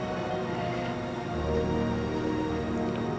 aku juga seneng